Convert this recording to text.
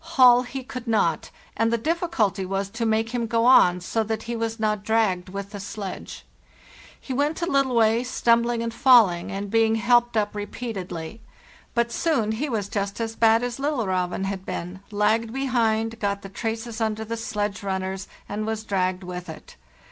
Haul he could not, and the difficulty was to make him go on so that he was not dragged with the sledge. He went a little way, stumbling and falling, and being helped up repeatedly ; but soon he was just as bad as ' Lillerzeven ' had been, lagged behind, got the traces under the sledge runners, and was dragged with it.